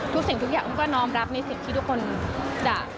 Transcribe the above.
สิ่งทุกอย่างอุ้มก็น้อมรับในสิ่งที่ทุกคนจะ